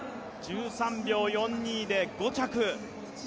１３秒４２で５着。